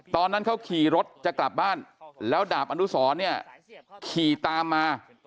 ตอนนั้นเขาขี่รถจะกลับบ้านแล้วดาบอนุสรเนี่ยขี่ตามมา